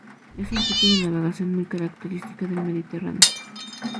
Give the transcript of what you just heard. Es un tipo de navegación muy característica del Mediterráneo.